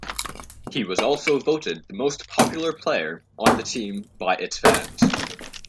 He was also voted the most popular player on the team by its fans.